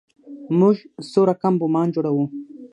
موږ څو رقم بمان جوړوو.